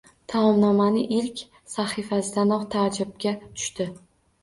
Taomnomaning ilk sahifasidanoq taajjubga tushdi.